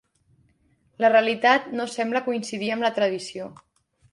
La realitat no sembla coincidir amb la tradició.